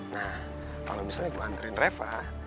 nah kalo misalnya gua anterin reva